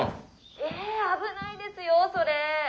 「え危ないですよォそれェ。